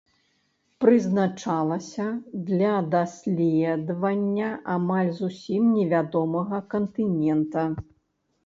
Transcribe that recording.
Прызначалася для даследавання амаль зусім невядомага кантынента.